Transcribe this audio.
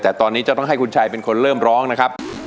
แต่ตอนนี้จะต้องให้คุณชัยเป็นคนเริ่มร้องนะครับ